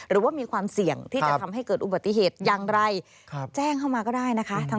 หรือว่ามีความเสี่ยงที่จะทำให้เกิดอุบัติเหตุอย่างไรแจ้งเข้ามาก็ได้นะคะ